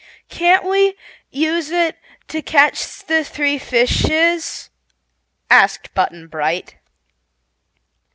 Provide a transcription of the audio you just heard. "Can't we use it to catch the three fishes?" asked Button Bright.